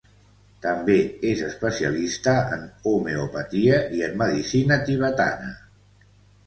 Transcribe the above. També és especialista en homeopatia i en medicina tibetana.